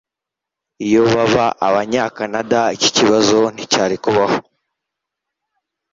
Iyo baba Abanyakanada iki kibazo nticyari kubaho